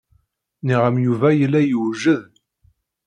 Nniɣ-am Yuba yella yewjed.